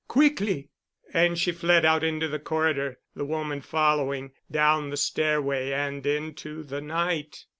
Quickly." And she fled out into the corridor, the woman following, down the stairway and into the night....